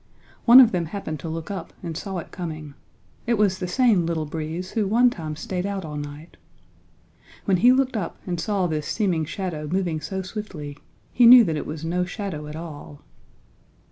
One of them happened to look up and saw it coming. It was the same Little Breeze who one time stayed out all night. When he looked up and saw this seeming shadow moving so swiftly he knew that it was no shadow at all.